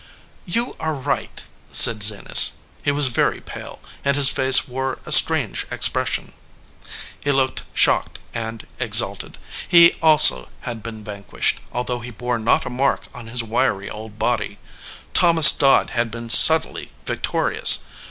"You are right," said Zenas. He was very pale, and his face wore a strange expression. He looked shocked and exalted. He also had 227 EDGEWATER PEOPLE been vanquished, although he bore not a mark on his wiry old body. Thomas Dodd had been subtly victorious.